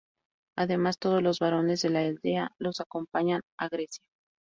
Además, todos los varones de la aldea los acompañan a Grecia.